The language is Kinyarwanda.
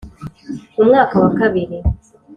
mu mwaka wa kabiri